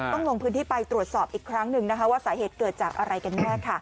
ลงพื้นที่ไปตรวจสอบอีกครั้งหนึ่งนะคะว่าสาเหตุเกิดจากอะไรกันแน่ค่ะ